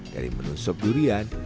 dari menu sop durian